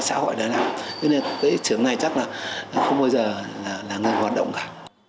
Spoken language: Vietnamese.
nên cái trường này chắc là không bao giờ là người hoạt động cả